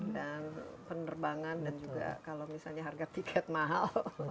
penerbangan dan juga kalau misalnya harga tiket mahal